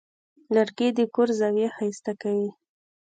لرګی د کور زاویې ښایسته کوي.